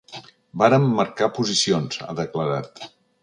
Vàrem marcar posicions, ha declarat.